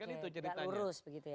kan itu ceritanya